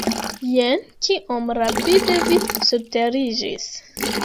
Jen, kiom rapide vi surteriĝis!